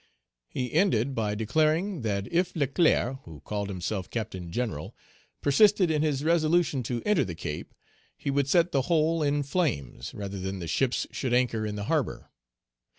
He ended by declaring, that if Leclerc, who called himself Captain General, persisted in his resolution to enter the Cape, he would set the whole in flames rather than the ships should anchor in the harbor.